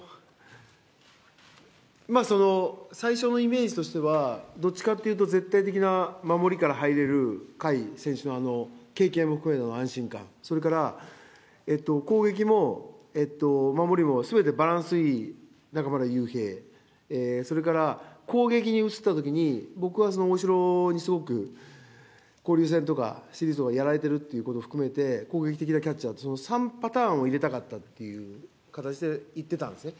最初のイメージとしては、どっちかっていうと絶対的な守りから入れる甲斐選手のあの経験も含めての安心感、それから攻撃も守りもすべてバランスいい中村悠平、それから攻撃に移ったときに僕は大城にすごく、交流戦とかシリーズでやられてるということも含めて、攻撃的なキャッチャーと、その３パターンを入れたかったという形で言ってたんですね。